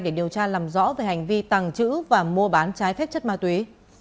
để điều tra làm rõ về hành vi tàng trữ và mua bán trái phép chất ma túy